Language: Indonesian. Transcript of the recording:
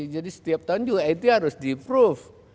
jadi setiap tahun juga it harus di proof